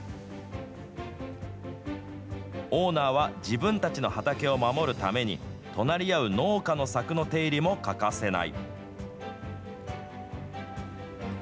オーナーは自分たちの畑を守るために、隣り合う農家の柵の手入れも欠かせない。